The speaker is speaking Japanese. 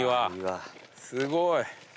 すごい。